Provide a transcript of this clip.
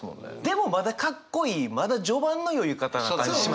でもまだかっこいいまだ序盤の酔い方な感じしますよね！